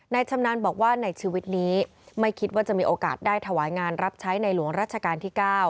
ชำนาญบอกว่าในชีวิตนี้ไม่คิดว่าจะมีโอกาสได้ถวายงานรับใช้ในหลวงรัชกาลที่๙